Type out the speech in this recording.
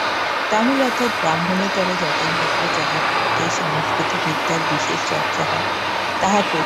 তামিল অর্থাৎ ব্রাহ্মণেতর জাতির মধ্যে যাহাতে সংস্কৃত বিদ্যার বিশেষ চর্চা হয়, তাহা করিবে।